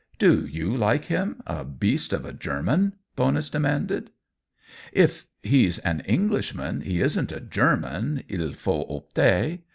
" Do you like him — a beast of a German ?" Bonus demanded. " If he's an Englishman he isn't a German — ilfautopter.